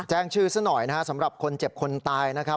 แจ้งชื่อซะหน่อยนะครับสำหรับคนเจ็บคนตายนะครับ